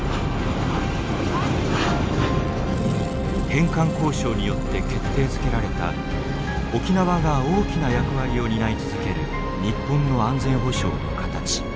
返還交渉によって決定づけられた沖縄が大きな役割を担い続ける日本の安全保障の形。